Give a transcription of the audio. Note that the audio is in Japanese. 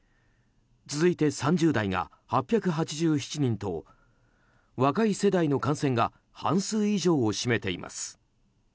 続いて３０代が８８７人と若い世代の感染が半数以上を占めています。